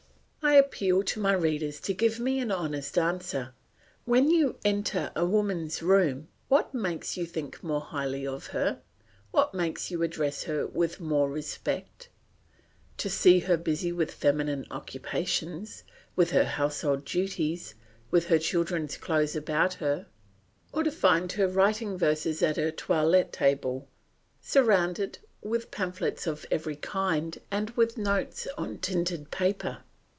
I appeal to my readers to give me an honest answer; when you enter a woman's room what makes you think more highly of her, what makes you address her with more respect to see her busy with feminine occupations, with her household duties, with her children's clothes about her, or to find her writing verses at her toilet table surrounded with pamphlets of every kind and with notes on tinted paper?